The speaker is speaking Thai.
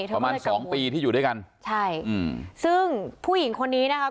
ประมาณสองปีที่อยู่ด้วยกันใช่อืมซึ่งผู้หญิงคนนี้นะคะ